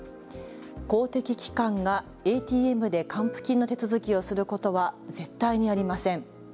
公的機関がＡＴＭで還付金の手続きをすることは絶対にありません。